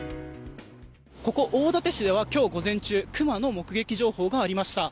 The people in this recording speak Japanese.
ここ大館市では今日午前中クマの目撃情報がありました。